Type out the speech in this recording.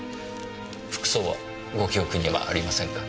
服装はご記憶にはありませんか？